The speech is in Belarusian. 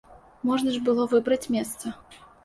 Можна ж было выбраць месца.